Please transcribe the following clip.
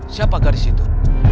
siapa garis itu